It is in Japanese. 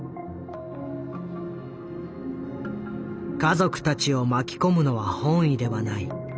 「家族たちを巻き込むのは本意ではない。